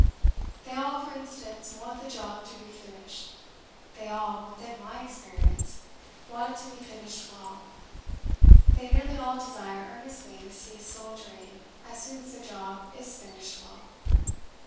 They all (for instance) want the job to be finished. They all (within my experience) want it to be finished well. They nearly all desire earnestly to cease soldiering as soon as the job is finished well.